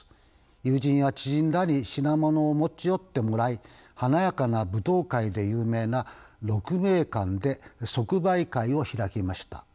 友人や知人らに品物を持ち寄ってもらい華やかな舞踏会で有名な鹿鳴館で即売会を開きました。